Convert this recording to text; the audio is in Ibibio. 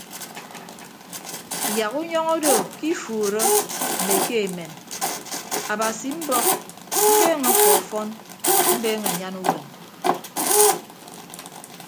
Yak unyọñọ odo ke ifuuro mme ke emem abasi mbọk mbeeñe ọfọfọn mbeeñe anyan uwem.